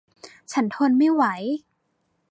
ฉันทนไม่ไหว